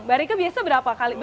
barike biasa berapa kali